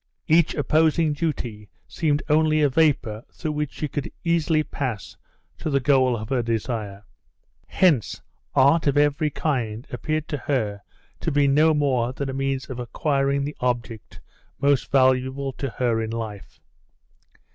Each opposing duty seemed only a vapor through which she could easily pass to the goal of her desire. Hence art of every kind appeared to her to be no more than a means of acquiring the object most valuable to her in life.